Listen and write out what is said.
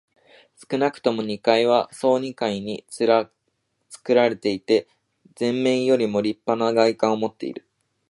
少なくとも二階は総二階につくられていて、前面よりもりっぱな外観をもっている。